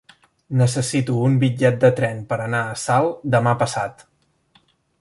Necessito un bitllet de tren per anar a Salt demà passat.